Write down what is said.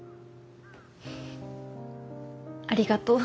ありがとう。